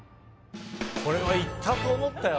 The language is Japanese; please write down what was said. これはいったと思ったよ